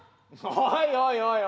おいおいおい。